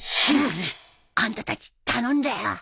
あんたたち頼んだよ！